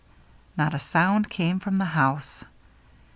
Not a sound came from the house.